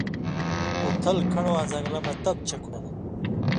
اُتھل کھن٘ڑاں زن٘گلہ مہ تپ چک ہُوندوۡ۔